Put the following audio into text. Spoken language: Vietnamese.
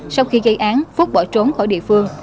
sau khi gây án phúc bỏ trốn khỏi địa phương